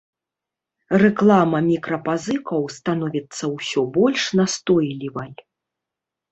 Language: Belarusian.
Рэклама мікрапазыкаў становіцца ўсё больш настойлівай.